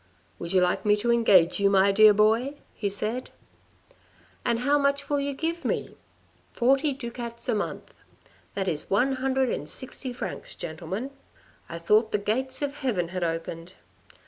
"' Would you like me to engage you, my dear boy ?' he said. "• And how much will you give me ?'"* Forty ducats a month.' That is one hundred and sixty 160 THE RED AND THE BLACK francs, gentlemen. I thought the gates of heaven had opened.